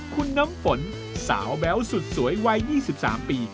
คุณน้ำฝนสาวแบ๊วสุดสวยวัย๒๓ปี